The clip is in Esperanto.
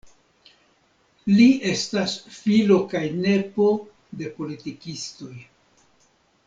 Li estas filo kaj nepo de politikistoj.